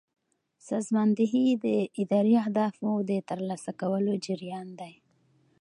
سازماندهي د اداري اهدافو د ترلاسه کولو جریان دی.